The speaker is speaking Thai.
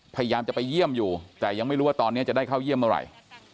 พยายามจะไปเยี่ยมอยู่แต่ยังไม่รู้ว่าตอนนี้จะได้เข้าเยี่ยมเมื่อไหร่